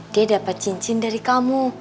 dia dapat cincin dari kamu